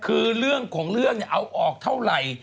คือเรื่องของเรื่องเนี่ยเอาออกเท่าไหร่